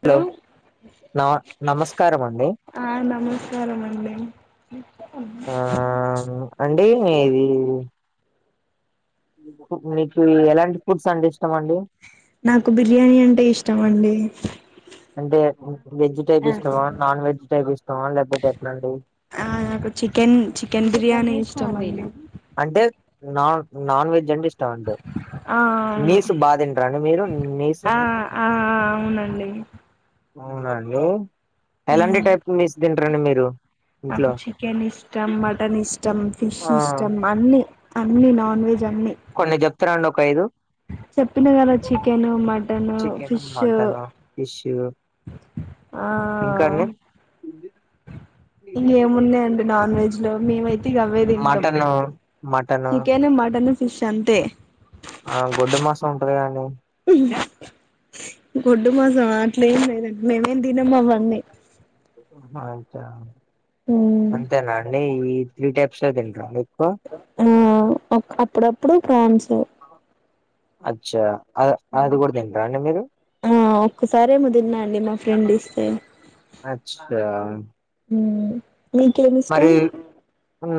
Hello నమ నమస్కారం అండి ఆ నమస్కారం అండి ఆ అంటే ఇది మీకు ఎలాంటి ఫుడ్స్ అంటే ఇష్టం అండి నాకు బిర్యానీ అంటే ఇష్టం అండి అంటే వెజ్ టైప్ ఇష్టమ నాన్ వెజ్ టైప్ ఇష్టమ లేకపోతే ఎట్లండి ఆ నాకు చికన్ చికెన్ బిర్యానీ ఇష్టమండి అంటే నాన్ నాన్ వెజ్ అంటే ఇష్టం అంటే ఆ అవును నీసు బా తింటారా అండి మీరు నీసు ఆ ఆ అవునండి అవున అండి ఎలాంటి టైప్ నిస్ తింటారండి మీరు నాకు ఇంట్లో చికెన్ ఇష్టం మటన్ ఇష్టం ఫిష్ ఆ ఇష్టం అన్ని అన్నీ నాన్ వెజ్ అన్నీ కొన్ని చెప్తున్నాండి ఒక ఐదు చెప్పిన కదా chicken mutton chicken fish mutton fish ఆ ఇంకా అండి ఇంక ఏమున్నాయండి నాన్ వెజ్ లో మేమైతే ఇగ అవే తింటాం mutton mutton chicken mutton fish అంతే ఆ గొడ్డు మాసం ఉంటది కండి గొడ్డు మాసం అట్లే ఏం లేదండి మేమేం తినము అవన్నీ అతా అంతే నండి ఈ త్రీ టైప్స్ తింటారండి ఎక్కువ ఆ అప్పుడప్పుడు ఫ్రాన్స్ అచ్చా అ అది కూడా తింటరా అండి మీరు ఆ ఒక్కసారేమో తిన్నా అండి మా ఫ్రెండ్ ఇస్తే అచ్చా హ మీకేమీ మరి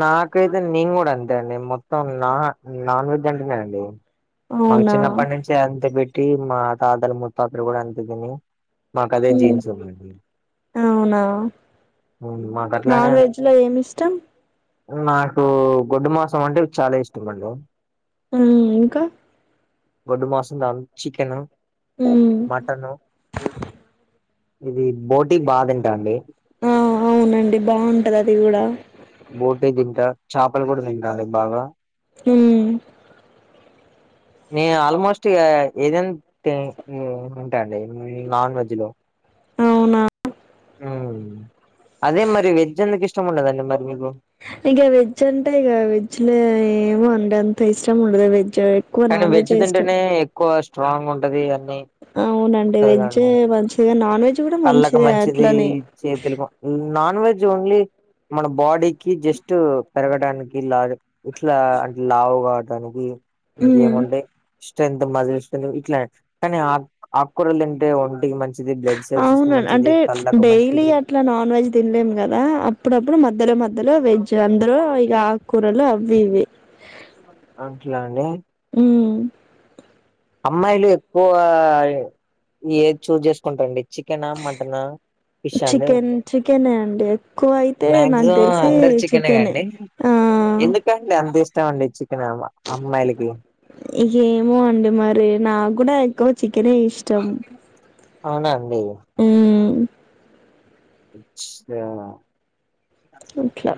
నాకైతే నేను కూడా అంతే అండి మొత్తం నా నాన్ వెజ్ అంటేనే అండి మాకు అవునా చిన్నప్పటి నుంచి అంతే పెట్టి మా తాతలు ముత్తాతలు కూడా అంతే తిని మకదే జీన్స్ అవునా మాకట్ల నే ఇందులో ఏం ఇష్టం నాకు గొడ్డు మాసం అంటే చాలా ఇష్టం అండి ఆ ఇంకా గొడ్డు మాసం చికెన్ ఉ మటన్ ఇది బోటి బా తింటా అండి ఆ అవునండి బాగుంటది అది కూడా బోటి తింట చేపలు కూడా తింటా అండి బాగా హ నేను ఆల్మోస్ట్ ఇగ ఏదైనా తి తింటా అండి ఇ నాన్ వెజ్ లో అవునా అదే మరి వెజ్ ఎందుకు ఇష్టం ఉండదండి మరి మీకు ఇక వెజ్ అంటే ఇక వెజ్ లో ఏమో అండి అంత ఇష్టం ఉండదు వెజ్ ఎక్కువ కానీ నాన్ వెజ్ ఇష్టం తింటేనే ఎక్కువ స్ట్రాంగ్ ఉంటది అన్ని అవునండి ఉంటది వెజ్ కదండి మంచిది నాన్ వెజ్ కూడా మంచిది అట్లనే చేతులు నాన్ వెజ్ ఓన్లీ మన బాడీకి జస్ట్ పెరగడానికి లా ఇట్లా అంటే లావు కావడానికి ఇంకేముంటాయి స్ట్రెంత్ మజిల్స్ ఇట్లా కానీ ఆ ఆకుకూరలు తింటే ఒంటికి మంచిది ఫేస్కి మంచిది కళ్లకు మంచిది ఇట్లా నాన్ వెజ్ తినలేము కదా అప్పుడప్పుడు మధ్యలో మధ్యలో వెజ్ అందరు ఇక కూరలు అవి ఇవి అట్లా అండి మ్మ్ అమ్మాయిలు ఎక్కువ ఏది చూజ్ చేసుకుంటండి చికెనా మటన్ ఫిష్ అండి చికెన్ చికెనే అండి ఎక్కువ అయితే నాకు మాక్సిమం తెలిసి అందరు చికెనే కండి అంత ఇష్టం అండి చికెన్ అం అమ్మాయిలకి ఏమో అండి మరి నాకు కూడా ఎక్కువ చికెనే ఇష్టం అవునా అండి ఊ [unintelligible] అట్లా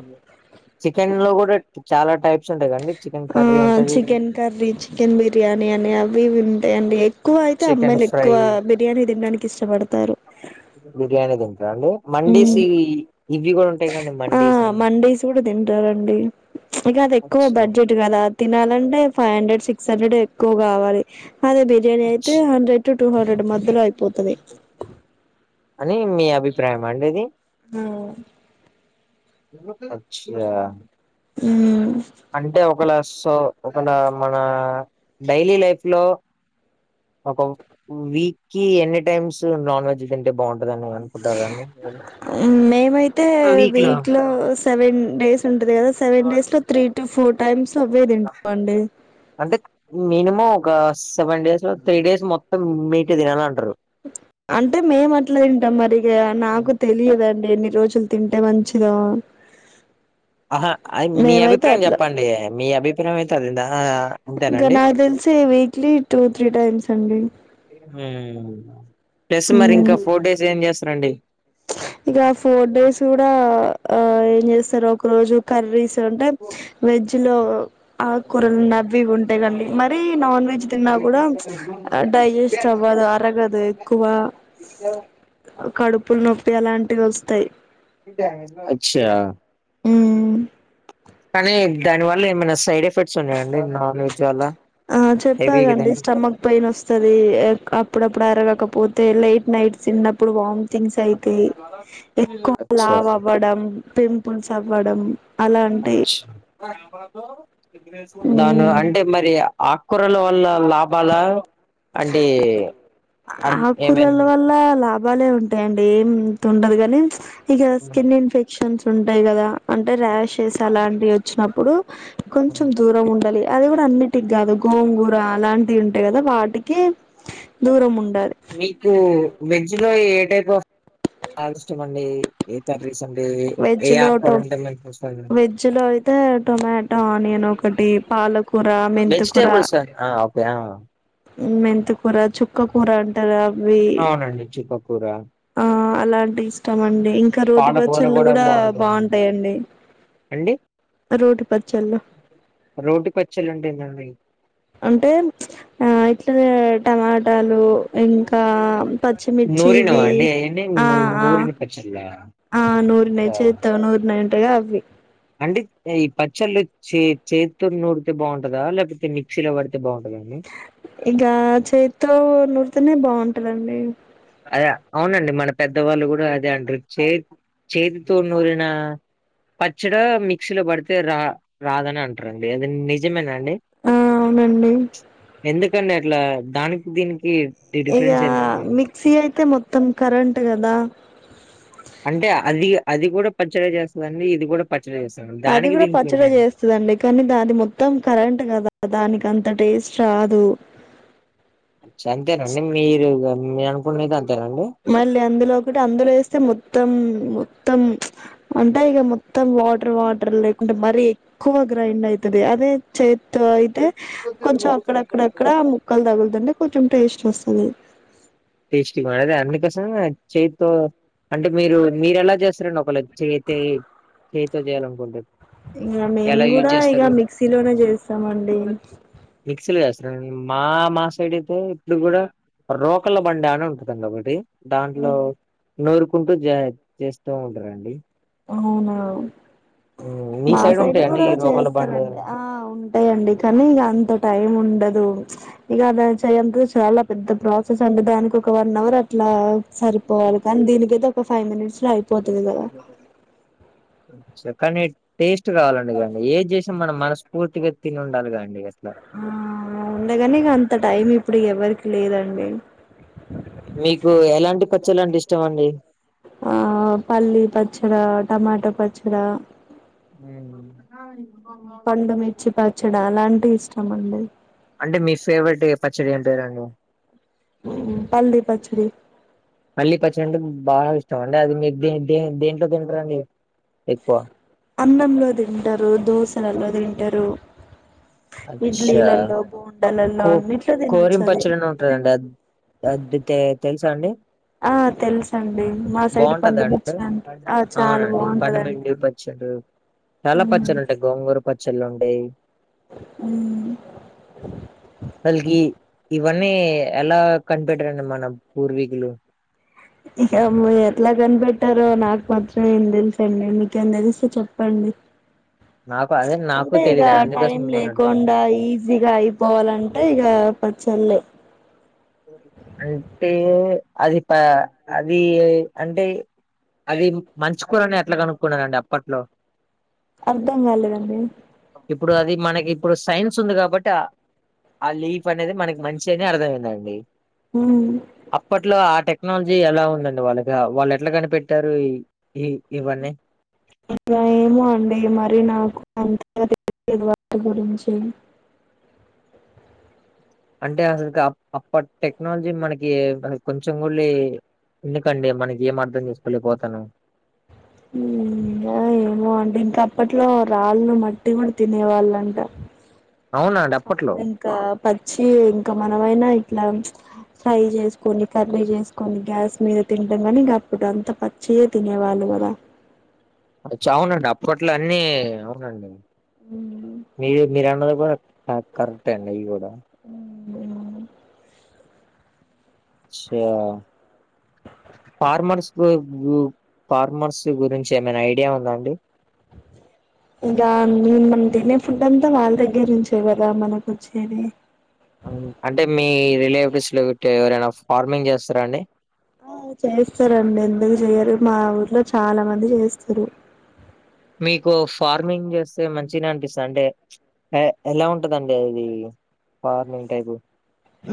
చికెన్ లో కూడా చాలా టైప్స్ ఉంటాయిగా అండి చికెన్ ఆ కర్రీ ఉంటది చికెన్ కర్రీ చికెన్ బిర్యానీ అని అవి ఇవి ఉంటాయండి క్కువ అయితే చికెన్ అమ్మాయిలు ఫ్రై ఎక్కువ బిర్యానీ తినడానికి ఇష్టపడతారు బిర్యానీ దింటరా అండి మండీస్ మ్మ్ ఈ ఇవి కూడా ఉంటాయిగా అండి ఆ మండీస్ అని మండీస్ కూడా తింటారండి ఇక అది ఎక్కువ అచ్చా. బడ్జెట్ కు గదా తినాలంటే ఫైవ్ హండ్రెడ్ సిక్స్ హండ్రెడ్ ఎక్కువ కావాలి అదే బి ర్యానీ అయితే హండ్రెడ్ టు టూ హండ్రెడ్ మధ్యలో అయిపోతుది అని మీ అభిప్రాయమా అండి ఇది అచ్చా ఉమ్ అంటే ఒకవేళ సో ఒకవేళ మన డైలీ లైఫ్ లో ఒక వీక్ కి ఎన్ని టైమ్స్ నాన్ వెజ్ తింటే బావుంటది అని నువ్వు అన్ ఉమ్ మేమైతే వీక్ లో సెవెన్ డేస్ ఉంటది కదా సెవెన్ డేస్ లో త్రీ టు ఫోర్ టైమ్స్ అవే తిం [inaudible] అండి అంటే మినిమం ఒక సెవెన్ డేస్ లో త్రీ డేస్ మొత్తం మీట్ యే తినాలంటారు అంటే మేము అట్లా తింటాం మరి ఇక నాకు తెలియదండి ఎన్ని రోజులు తింటే మంచిదో ఆహా అది మీ మేమైతే అభిప్రాయం అట్లా చెప్పండి మీ అభిప్రాయం అయితే [unintelligible] అంతేనా క నాకు తెలిసి ఇవి క్లీ టూ త్రీ టైమ్స్ అండి ఊమ్ ప్లస్ మరి ఇంక స్పెషల్ ఫోర్ డేస్ ఏం చేస్తారండి ఇక ఫోర్ డేస్ కూడా ఆ ఏం చేస్తారు ఒక రోజు కర్రీస్ ఉంటే వెజ్ లో ఆకుకూరలు నవ్వి ఉంటాయి కండి మరీ నాన్ వెజ్ తిన్నా కూడా డైజెస్ స్ట్ అవ్వదు అరగదు ఎక్కువ [unintelligible] కడుపులు నొప్పి అలాంటివి వస్తాయి అచ్చా ఊ కానీ దాని వల్ల ఏమైనా సైడ్ ఎఫెక్ట్స్ ఉన్నాయా అండి నాన్ వెజ్ వల్ల ఆ హెవీ చెప్పాగండి కదండి స్టమక్ పెయిన్ వస్తది ఎక్ అప్పుడప్పుడు అరగకపోతే లై నైట్ తిన్నప్పుడు వాంతింగ్స్ అయితయి ఎక్కువ అచ్చా లావు అవ్వడం పింపుల్స్ అవ్వడం అలాంటి దాని వ అంటే మరి ఆక్కూరల వల్ల లాభాలా ఏమైనా ఆక్కూరల వల్ల లాభాలే ఉం టయండి ఏం తుందు గానీ ఇగ స్కిన్ ఇన్ఫెక్షన్స్ ఉంటాయి కదా అంటే రాష్ టెస్ అలాంటి వచ్చినప్పుడు కొంచెం దూరం ఉండాలి అది కూడా అన్నిటికి కాదు గోంగూర అలాంటి ఉంటాయి కదా వాటికి ఉండాలి మీకు వెజ్ లో ఏ టైప్ అప్ ల ఇష్టం అండి ఏం కర్రీస్ అండి ఏ వెజ్ లో ఆకుకూర టొ ఉంటే మంచిది వెజ్ లో అయితే టొమాటో ఆనియన్ ఒకటి పాలకూర వెజిటెబుల్స్ ఆ ఓకే ఆ మెంతకూర, చుక్క కూర అంటారు అవి అవునండి చుక్కకూర ఆ అలాంటి ఇష్టం అండి ఇంకా రోటి పాలకూర పచ్చళ్ళు కూడా బాగుంటదండి బాగుంటాయండి అండి రోటి పచ్చళ్ళు రోటి పచ్చళ్ళు అంటే ఏందాండీ అంటే ఆ ఇట్లా టమాటాలు ఇంకా పచ్చిమిర్చి నూరినవా ఇవి అండి అయన్నీ ఆ ఆ నూరిన పచ్చళ్ళ ఆ నూరినై చేత్తో నూరినై ఉంటాయిగా అవి అండి ఈ పచ్చళ్ళు చే చేత్తో నూరితే బాగుంటదా లేకపోతే మిక్సీలో పడితే బాగుంటదా అండి ఇంక చేతితో నూరుతేనే బాగుంటంది అండి అదే అవునండి మన పెద్దవాళ్ళు కూడా అదే అంటారు చే చేతితో నూరిన పచ్చడ మిక్సీ లో పడితే రా రాదని అంటారండి అది నిజమేనా అండి ఆ అవునండి ఎందుకండి అట్లా దానికి దీనికి ఇగ డిఫరెన్స్ ఏందండి మిక్సీ అయితే మొత్తం కరెంట్ కదా అంటే అది అది కూడా పచ్చడి చేస్తది అండి ఇది కూడా పచ్చడి చేస్తది దానికి దీనికి ఏంటండీ వస్తదండి కానీ దాని మొత్తం కరెంట్ కదా దానికి అంత టేస్ట్ రాదు అంతేనండి మీరు మీరు అనుకున్నది అంతేనండి మళ్ళీ అందులో ఒకటి అందులో వేస్తే మొత్తం మొత్తం చ్ అంటే ఇగా మొత్తం వాటర్ వాటర్ లేకుంటే మరీ ఎక్కువ గ్రైండ్ అయతది అదే చేత్తో అయితే కొంచెం అక్కడక్కడక్కడ ముక్కలు తగులుతుంటే కొంచెం టేస్ట్ వస్తది టేస్టీ వల్ల అందుకోసం చేత్తో అంటే మీరు మీర ఎలా చేస్తారండి ఒకవేళ చేతే చేతో చేయాల అనుకుంటే ఇంగ మేము కూడా ఇగ మిక్సీ లోనే చేస్తామండి మిక్సిలో చేస్తారండి మా మా సైడ్ అయితే ఇప్పుడు కూడా రో కల బండ అనే ఉంటది ఒకటి దాంట్లో నోరుకుంటూ జ చేస్తూ ఉంటారండి అవునా ఉమ్, మీ మా సైడ్ ఉంటాయండి కూడా ఈ రోకల బండి చేస్తారండి ఆ అవును ఉంటాయండి కానీ ఇంక అంత టైం ఉండదు ఇగ అది చేయంత చాలా పెద్ద ప్రాసెస్ అండి దానికి ఒక వన్ అవర్ ఇట్లా సరిపోవాలి కానీ దీనికైతే ఒక ఫైవ్ మినిట్స్ లో అయిపోతది కదా చెప్పండి టేస్ట్ కావాలండి కానీ ఏం చేసినా మనం మనస్ఫూర్తిగా తిని ఉండాలిగా అండి అది ఆ ఉండేగని ఇగ అంత టైం ఇప్పుడు ఎవ్వరికి లేదండి మీకు ఎలాంటి పచ్చళ్ళు అంటే ఇష్టం అండి ఆ పల్లీ పచ్చడా టమాటో పచ్చడా ఉ ఉన్నవని ఉన్నావు పండుమిర్చి పచ్చడ అలాంటివి ఇష్టం అండి అంటే మీ ఫేవరెట్ పచ్చడి ఏం పేరండి హ్మ్ పల్లీ పచ్చడి పళ్ళీ పచ్చడింటే బాగా ఇష్టం అండి అది మీరు దేం దేం దేంట్లో తింటారండి ఎక్కువ అన్నంలో తింటారు దోశలలో తింటారు అచ్చా [unintelligible] కో తినొచ్చు అది కోరింపచ్చడిని ఉంటందండి అ అది తెలుసా అండి ఆ తెలుసండి మా సైడ్ బాగుంటదండి పండుమిర్చి అంటారు ఆ చాలా అవునండి బాగుంటదండి పండుమిండి ప చ్చడి చాలా ఉమ్ పచ్చళ్ళు ఉంటాయి గోంగూర పచ్చళ్ళు ఉంటాయ్ హ్మ్ వాళ్ళకి ఇవన్నీ ఎలా కనిపెట్టారండి మన పూర్వీకులు ఇక ఎట్లా కనిపెట్టారో నాకు మాత్రం ఏం తెలుసండి మీకేం నా తెలిస్తే చెప్పండి నాకు అదే నాకూ అంటే తెలిదు అని అందుకోసం మిమ్మల్ని నడుగుతుంది ఇగ అయిపోవాలంటే ఇగ పచ్చళ్లే అంటే అది ప అది అంటే అది మంచు కూరని ఎట్లా కనుక్కున్నారండి అప్పట్లో అర్ధం కాలేదండి ఇప్పుడు అది మనకి ఇప్పుడు సైన్స్ ఉంది కాబట్టిఆ ఆహ్ లీఫ్ అనేది మనకి మంచి అని అర్థమైందండి హ్మ్ అప్పట్లో ఆ టెక్నాలజీ ఎలా ఉందండి వాళ్ళకి వాళ్ళు ఎట్లా కనిపెట్టారు ఈ ఇవన్నీ ఇంకా ఏమో అండి మరి నాకు అంతగా తెలియదు వాటి గురించి అంటే అస అప్పటి టెక్నాలజీ మనకి కొంచెం కూడా లే ఎందుకండి మనకి ఏం అర్థం చేసుకోలేకపోతాన్నం హ్మ్ ఏమో అండి ఇంక అప్పట్లో రాళ్లు మట్టి కూడా తినే వాళ్ళంట అవునా అండి అప్పట్లో అప్పుడు ఇంకా పచ్చి ఇంకా మనమైనా ఇట్లా ఫ్రై చేసుకొని కర్రీ చేసుకొని గ్యాస్ మీద తినడం కాని ఇంక అప్పుడు అంత ప చ్చియే తినేవాళ్లు కదా చావునండి అప్పట్లో అన్ని అవునండి ఉమ్ మీరు మీరన్నది కూడా ఆహ్ కరెక్ట్ అండి ఇది కూడా హ్మ్ అచ్చా ఫార్మర్స్ ఫార్మర్స్ గురించి ఏమైనా ఐడియా ఉందా అండి ఇక నేను మనం తినే ఫుడ్ అంతా వాళ్ళ దగ్గర నుంచే కదా మనకు వచ్చేది అంటే మీ రిలేటివ్స్ లో ఊకే అదిఎవరైనా ఫార్మింగ్ చేస్తారా అండి ఆ చేస్తారండి ఎందుకు చేయరు మా ఊర్లో చాలా మంది చేస్తారు మీకు ఫార్మింగ్ చేస్తే మంచినే అనిపిస్తుంది అంటే ఎలా ఉంటదండి అది బాగా లేట్ అయింది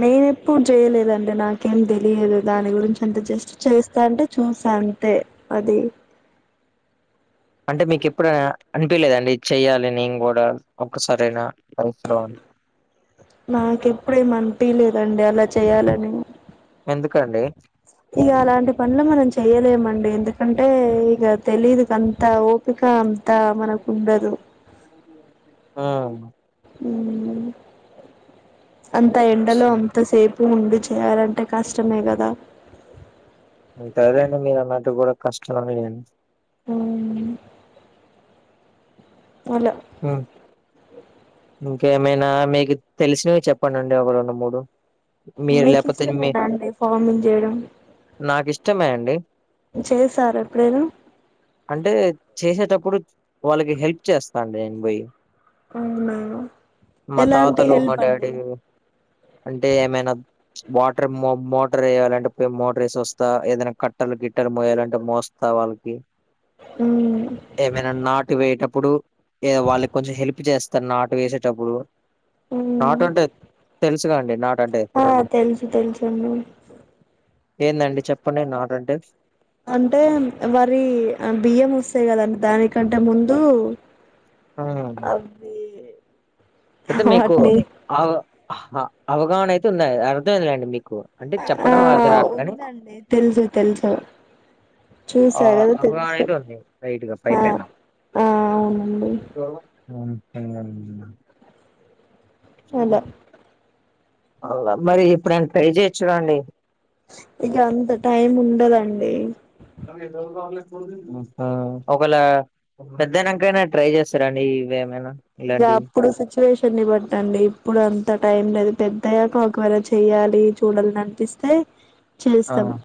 నేను ఎప్పుడు చేయలేదండి నాకేం తెలియదు దాని గురించి అంత జస్ట్ చేస్తా అంటే చూసా అంతే అది అంటే మీకు ఎప్పుడైనా అనిపీలేదండి ఇది చెయాలి నేను కూడా ఒక్కసారైనా లైఫ్ లో అని నాకెప్పుడూ ఏమి అనిపీలేదండి అలా చెయ్యాలని ఎందుకండి ఇక అలాంటి పనులు మనం చేయలేమండి ఎందుకంటే ఇక తెలీదుక అంత ఓ ఇక అంతా మనకు ఉండదు ఆ ఉమ్ అంత ఎండలో అంత సే పు ఉండి చేయాలంటే కష్టమే కదా ఇంక అదే అండి మీరు అన్నట్టు కూడా కష్టమే అం ఉమ్మ్ అలా ఉమ్ ఇంకేమైనా మీకు తెలిసినవి చెప్పండి అండి ఒక రెండు మూడు మీకి ఇష్టమేనా అండి ఫార్మింగ్ చేయడం నాకి ఇష్టమే అండి చేసారా ఎప్పుడైనా అంటే చేసేటప్పుడు వాళ్ళకి హెల్ప్ చేస్తాండి నేను పోయి అవునా మా ఎలాంటి తాతలు మా హెల్ప్ అండి డాడీ అంటే ఏమైనా వాటర్ మో మోటర్ ఏయాలంటే పోయి మోటర్ ఏసొస్తా ఏదైనా కట్టలు గిట్టలు మోయాలంటే మో స్తా వాళ్లకి ఉమ్ ఏమైనా నాటు వేయేటప్పుడు ఏదో వాళ్ళకి కొంచెం హెల్ప్ చేస్తా నాటు వేసేటప్పుడు మ్మ్ నాటు అంటే తెలుసుగా అండి నాటంటే ఆ తెలుసు తెలుసండి ఏందండి చెప్పండి నాటు అంటే అంటే వరి బియ్యం వస్తాయి కదండి దానికంటే ముందు హ్మ్. అబ్ అయితే మీకు అవ అవగాహన అయితే ఉంది అర్థమైందిలేండి మీకు అంటే ఆ చెప్పడం ఆమెకు రాట్లే గాని ఉందండి తెలుసు తెలుసు ఆ చూసా కదా అవగాహన తెలుసు అయితే ఉంది లైట్‌గా పై ఆ పైన ఆ అవునండి సో అలా అలా మరి ఎప్పుడైనా ట్రై చేయొచ్చుగా అండి ఇక అంతా టైం ఉండదండి ఆహ ఒకేలా పెద్దయినంకా అయినా ట్రై చేస్తారాండి ఇవేమైనా ఇంగ ఇలాంటివి అప్పుడు సిచ్యువేషన్‌ని బట్టండి ఇప్పుడు అంతా టైం లేదు పెద్దయ్యాక ఒకవేళ చేయాలి చూడాలనిపి తే ఆ చేస్తాం